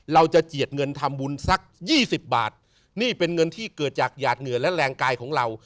เจียดเงินทำบุญสักยี่สิบบาทนี่เป็นเงินที่เกิดจากหยาดเหงื่อและแรงกายของเรา